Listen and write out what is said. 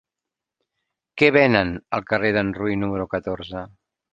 Què venen al carrer d'en Rull número catorze?